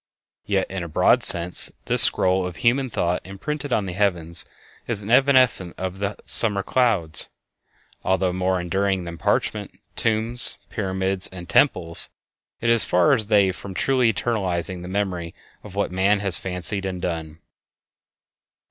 Yet, in a broad sense, this scroll of human thought imprinted on the heavens is as evanescent as the summer clouds. Although more enduring than parchment, tombs, pyramids, and temples, it is as far as they from truly eternizing the memory of what man has fancied and done.